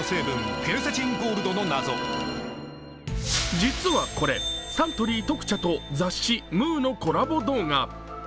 実はこれ、サントリー特茶と雑誌「ムー」のコラボ動画。